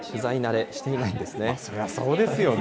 それはそうですよね。